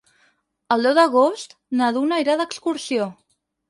El deu d'agost na Duna irà d'excursió.